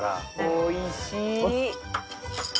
おいしい！